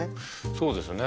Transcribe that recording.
そうですね